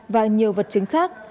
và nhiều vật chứng khác